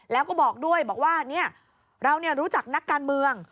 แล้วก็บอกด้วยบอกว่าเรารู้จักนักการเมือง